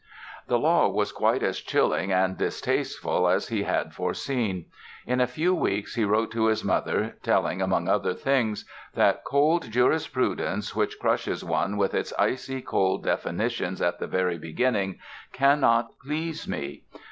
The law was quite as chilling and distasteful as he had foreseen. In a few weeks he wrote to his mother telling, among other things, that "cold jurisprudence, which crushes one with its icy cold definitions at the very beginning, cannot please me.